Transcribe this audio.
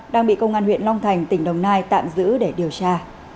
đang bị công an huyện long thành tỉnh đồng nai tạm giữ để điều tra